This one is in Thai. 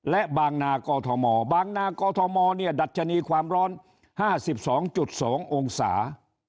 และบางนากอทมบางนากอทมเนี่ยดัชนีความร้อนห้าสิบสองจุดสององศา